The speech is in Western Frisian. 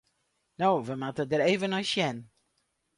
No, we moatte der even nei sjen.